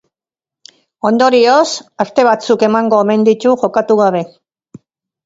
Ondorioz, aste batzuk emango omen ditu jokatu gabe.